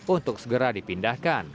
untuk segera dipindahkan